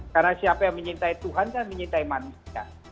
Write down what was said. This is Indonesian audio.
karena siapa yang menyintai tuhan kan menyintai manusia